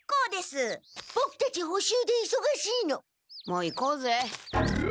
もう行こうぜ。